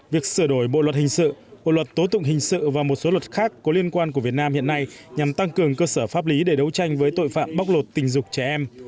việc sửa đổi bộ luật hình sự bộ luật tố tụng hình sự và một số luật khác có liên quan của việt nam hiện nay nhằm tăng cường cơ sở pháp lý để đấu tranh với tội phạm bóc lột tình dục trẻ em